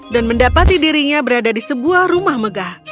mendapati dirinya berada di sebuah rumah megah